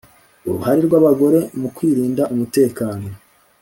Uruhare rw’abagore mu kurinda umutekano